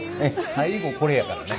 最後これやからね。